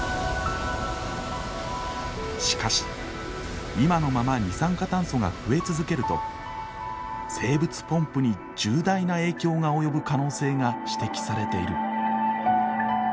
しかし今のまま二酸化炭素が増え続けると生物ポンプに重大な影響が及ぶ可能性が指摘されている。